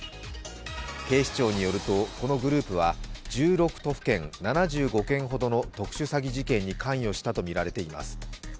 警視庁によると、このグループは１６都府県、７５件ほどの特殊詐欺事件に関与したとみられています。